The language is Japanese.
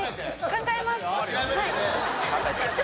考えます。